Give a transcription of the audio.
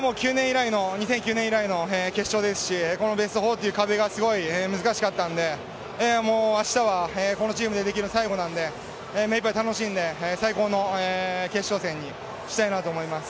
２００９年以来の決勝ですしこのベスト４という壁がすごい難しかったので、明日はこのチームでできるの最後なんで目一杯楽しんで最高の決勝戦にしたいなと思います。